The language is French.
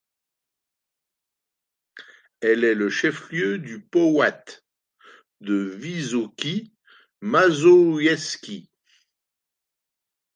Elle est le chef-lieu du powiat de Wysokie Mazowieckie.